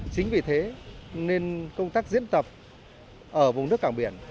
chính vì thế nên công tác diễn tập ở vùng nước cảng biển